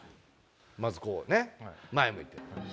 まずこうね前向いて。